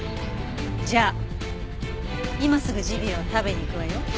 じゃあ今すぐジビエを食べに行くわよ。